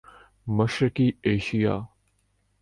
مشرقی ایشیا